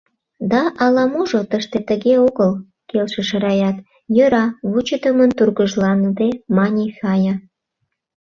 — Да ала-можо тыште тыге огыл, — келшыш Раят, — Йӧра, — вучыдымын тургыжланыде мане Фая.